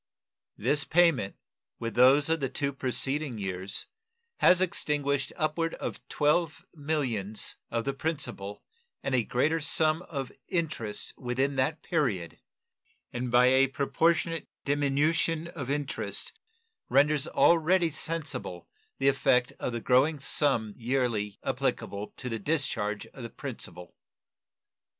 This payment, with those of the two preceding years, has extinguished upward of $12 millions of the principal and a greater sum of interest within that period, and by a proportionate diminution of interest renders already sensible the effect of the growing sum yearly applicable to the discharge of the principal.